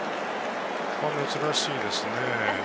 珍しいですね。